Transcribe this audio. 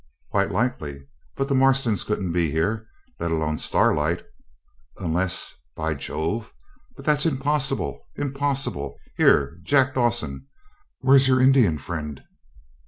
'Quite likely. But the Marstons couldn't be here, let alone Starlight, unless by Jove! but that's impossible. Impossible! Whew! Here, Jack Dawson, where's your Indian friend?'